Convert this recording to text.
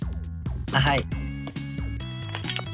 はい。